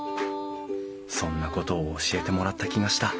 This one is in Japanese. そんなことを教えてもらった気がした